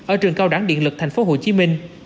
ở trường cao đẳng điện lực thành phố hồ chí minh